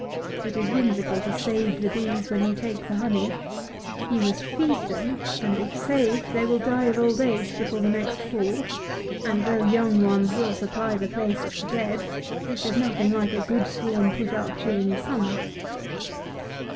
It is whimsical to save the bees when you take the honey. You must feed them; and, if saved, they will die of old age before the next fall; and though young ones will supply the place of the dead, this is nothing like a good swarm put up during the summer.